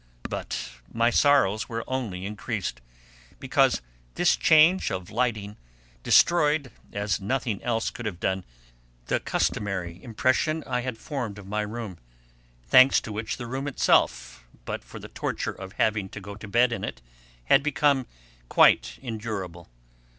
But my sorrows were only increased, because this change of lighting destroyed, as nothing else could have done, the customary impression I had formed of my room, thanks to which the room itself, but for the torture of having to go to bed in it, had become quite endurable.